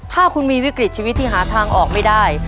ถ้าคุณมีวิกฤตชีวิตที่หาทางออกไม่ได้